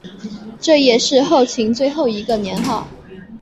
这也是后秦的最后一个年号。